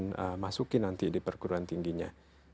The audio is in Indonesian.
yang mereka ingin masukin nanti di perguruan tingginya